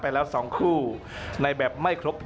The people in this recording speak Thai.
ยังเหลือคู่มวยในรายการ